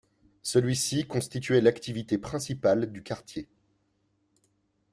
Celui-ci constituait l'activité principale du quartier.